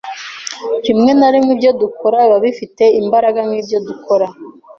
Rimwe na rimwe ibyo tudakora biba bifite imbaraga nkibyo dukora.